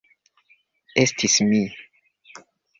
Estis mi.